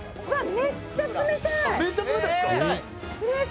「めっちゃ冷たいですか？」